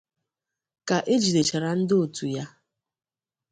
Ka e jidechara ndị òtù ya